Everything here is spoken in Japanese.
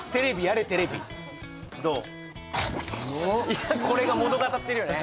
いやこれが物語ってるよね